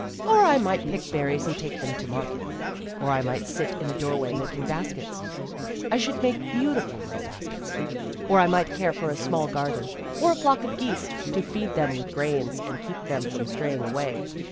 Or I might pick berries and take them to market. Or I might sit in a doorway making baskets I should make beautiful little baskets. Or I might care for a small garden, or a flock of geese to feed them with grains and keep them from straying away.